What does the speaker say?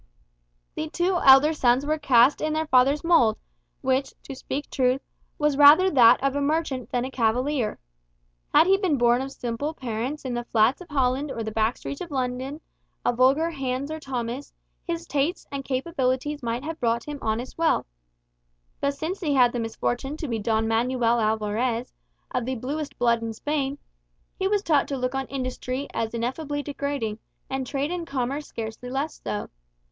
The two elder sons were cast in their father's mould; which, to speak truth, was rather that of a merchant than of a cavalier. Had he been born of simple parents in the flats of Holland or the back streets of London, a vulgar Hans or Thomas, his tastes and capabilities might have brought him honest wealth. But since he had the misfortune to be Don Manuel Alvarez, of the bluest blood in Spain, he was taught to look on industry as ineffably degrading, and trade and commerce scarcely less so.